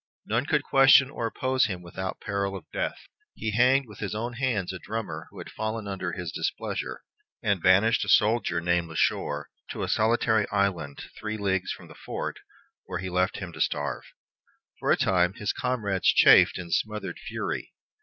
None could question or oppose him without peril of death. He hanged with his own hands a drummer who had fallen under his displeasure, and banished a soldier, named La Chore, to a solitary island, three leagues from the fort, where he left him to starve. For a time his comrades chafed in smothered fury.